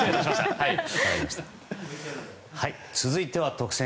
続いては特選！！